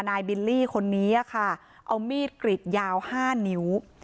นายบิลลี่คนนี้อะค่ะเอามีดกริดยาวห้านิ้ว